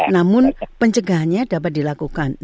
namun pencegahannya dapat dilakukan